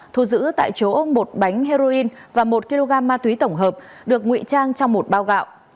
thu giữ tại chỗ một bánh heroin và một kg ma túy tổng hợp được nguy trang trong một bao gạo